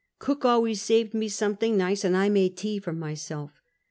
Cook always saved me something nice, and I made tea for myself.